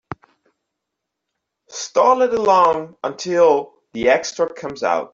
Stall it along until the extra comes out.